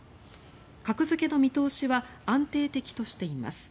格付けの見通しは安定的としています。